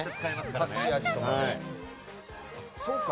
隠し味とか。